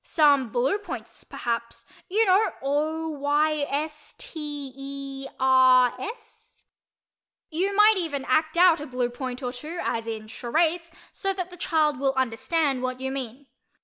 "Some blue points, perhaps—you know, o y s t e r s?" You might even act out a blue point or two, as in charades, so that the child will understand what you mean.